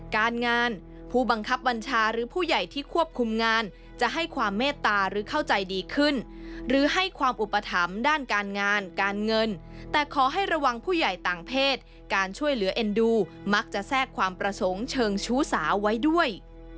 การงานผู้บังคับบัญชาหรือผู้ใหญ่ที่ควบคุมงานจะให้ความเมตตาหรือเข้าใจดีขึ้นหรือให้ความอุปถัมภ์ด้านการงานการเงินแต่ขอให้ระวังผู้ใหญ่ต่างเพศการช่วยเหลือเอ็นดูมักจะแทรกความประสงค์เชิงชู้สาวไว้ด้วย